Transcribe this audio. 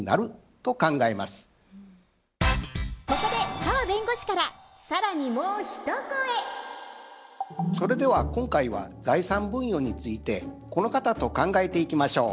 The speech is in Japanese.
ここでそれでは今回は財産分与についてこの方と考えていきましょう。